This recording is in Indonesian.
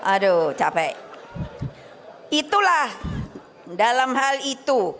aduh capek itulah dalam hal itu